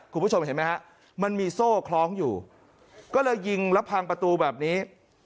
คุณผู้ชมเห็นไหมฮะมันมีโซ่คล้องอยู่ก็เลยยิงแล้วพังประตูแบบนี้